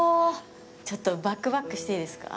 ちょっとバック、バックしていいですか。